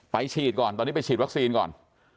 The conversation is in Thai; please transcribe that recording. ฉีดก่อนตอนนี้ไปฉีดวัคซีนก่อน